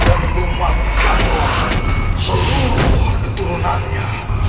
dan lumatkanlah seluruh keturunannya